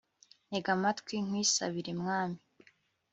ntega amatwi nkwisabire, mwami